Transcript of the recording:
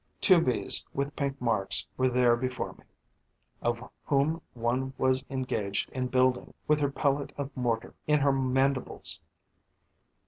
Two Bees with pink marks were there before me, of whom one was engaged in building, with her pellet of mortar in her mandibles.